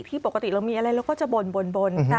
ปกติเรามีอะไรเราก็จะบ่น